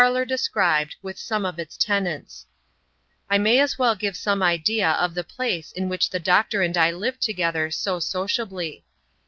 A 8eft |Mxloiir described, with some of Us *^nftf|tg, I HUY as well giye some idea of the place in which the doctor and I lived together so sociably.